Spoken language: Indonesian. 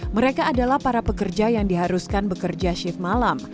mereka adalah para pekerja yang diharuskan bekerja shift malam